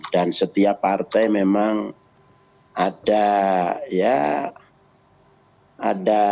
dan setiap partai memang ada ya ada